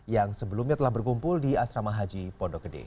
yang sebelumnya telah berkumpul di asrama haji pondok gede